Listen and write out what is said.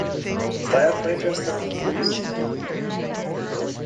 Firefighters are heroes.